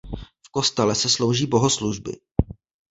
V kostele se slouží bohoslužby.